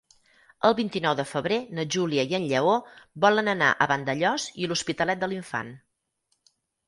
El vint-i-nou de febrer na Júlia i en Lleó volen anar a Vandellòs i l'Hospitalet de l'Infant.